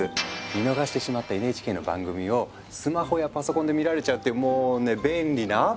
見逃してしまったＮＨＫの番組をスマホやパソコンで見られちゃうっていうもうね便利なアプリなんですよ！